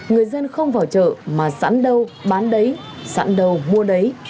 người dân không vào chợ mà sẵn đâu bán đấy sẵn đâu mua đấy